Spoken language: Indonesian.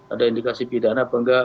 ada indikasi pidana apa enggak